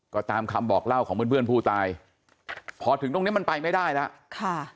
ก็ตามคำบอกเล่าของเพื่อนเพื่อนผู้ตายพอถึงตรงเนี้ยมันไปไม่ได้แล้วค่ะ